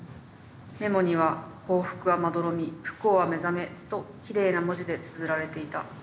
メモには『幸福はまどろみ不幸は目覚め』ときれいな文字でつづられていた」。